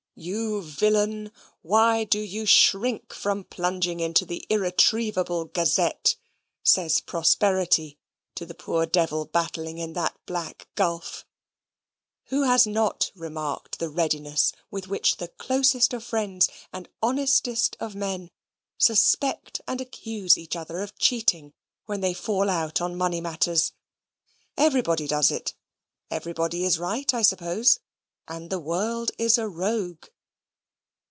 "You villain, why do you shrink from plunging into the irretrievable Gazette?" says prosperity to the poor devil battling in that black gulf. Who has not remarked the readiness with which the closest of friends and honestest of men suspect and accuse each other of cheating when they fall out on money matters? Everybody does it. Everybody is right, I suppose, and the world is a rogue.